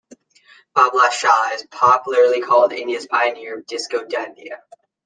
Babla Shah is popularly called India's "Pioneer of Disco Dandiya".